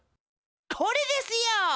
これですよ！